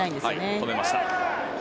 止めました。